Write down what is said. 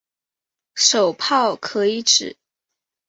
手炮可以指